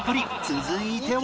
続いては